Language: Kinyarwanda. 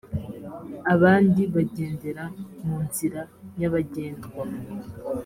abandi bagendera mu nzira nyabagendwa